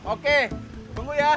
oke tunggu ya